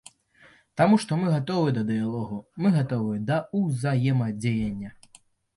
Таму што мы гатовыя да дыялогу, мы гатовыя да ўзаемадзеяння.